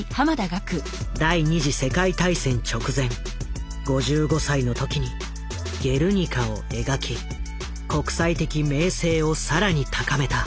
第２次世界大戦直前５５歳の時に「ゲルニカ」を描き国際的名声を更に高めた。